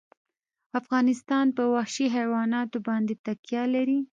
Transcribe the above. افغانستان په وحشي حیوانات باندې تکیه لري.